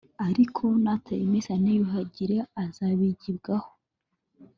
ariko natayimesa ntiyiyuhagire azagibwaho